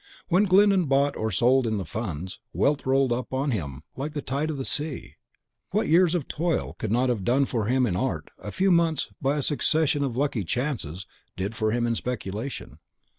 When Glyndon bought or sold in the funds, wealth rolled upon him like the tide of a sea; what years of toil could not have done for him in art, a few months, by a succession of lucky chances, did for him in speculation.